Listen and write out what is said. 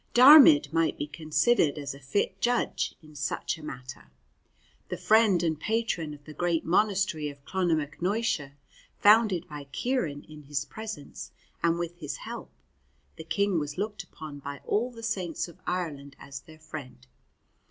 Diarmaid might be considered as a fit judge in such a matter. The friend and patron of the great monastery of Clonmacnoise, founded by Ciaran in his presence and with his help, the King was looked upon by all the Saints of Ireland as their friend.